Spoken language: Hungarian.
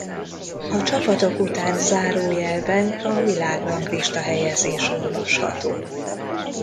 A csapatok után zárójelben a világranglista-helyezés olvasható.